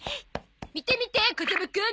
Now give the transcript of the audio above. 見て見て風間くん。